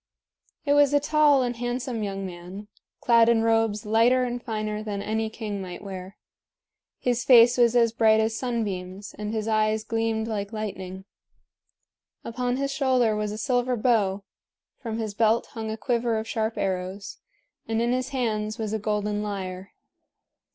It was a tall and handsome young man, clad in robes lighter and finer than any king might wear. His face was as bright as sunbeams, and his eyes gleamed like lightning. Upon his shoulder was a silver bow, from his belt hung a quiver of sharp arrows, and in his hands was a golden lyre.